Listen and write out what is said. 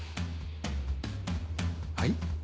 はい？